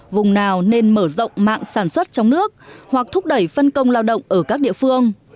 vùng nào nên mở rộng mạng sản xuất trong nước hoặc thúc đẩy phân công lao động ở các địa phương